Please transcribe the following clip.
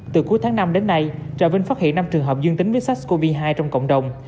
từ cuối tháng năm đến nay trà vinh phát hiện năm trường hợp dương tính với sars cov hai trong cộng đồng